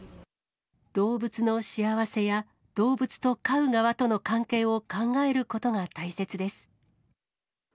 動物の幸せや、動物と飼う側との関係を考えることが大切です。